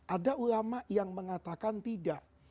ada ulama yang mengatakan tidak